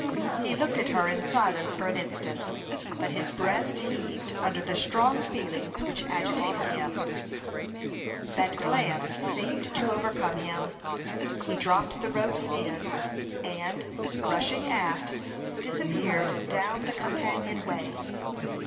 He looked at her in silence for an instant; but his breast heaved under the strong feelings which agitated him. That glance seemed to overcome him; he dropped the rope's end, and, rushing aft, disappeared down the companion way.